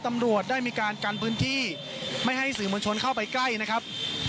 ตำรวจได้มีการกันพื้นที่ไม่ให้สื่อมวลชนเข้าไปใกล้นะครับ